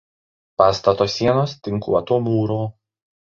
Pastato sienos tinkuoto mūro.